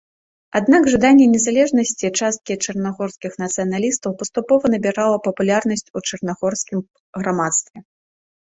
Аднак жаданне незалежнасці часткі чарнагорскіх нацыяналістаў паступова набірала папулярнасць у чарнагорскім грамадстве.